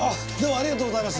ありがとうございます。